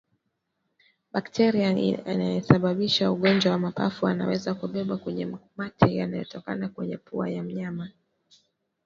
Bakteria anayesababisha ugonjwa wa mapafu anaweza kubebwa kwenye mate yanayotoka kwenye pua ya mnyama